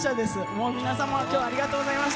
もう皆さんも今日ありがとうございました。